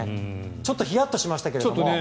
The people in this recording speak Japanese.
ちょっとヒヤッとしましたけどね。